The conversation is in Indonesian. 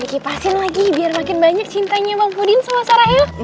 kipasin lagi biar makin banyak cintanya bang pudin sama sarahnya